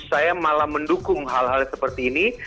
saya malah mendukung hal hal seperti ini